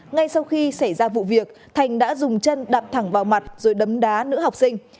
ngay sau khi xảy ra vụ việc thành đã dùng chân đạp thẳng vào mặt rồi đấm đá nữ học sinh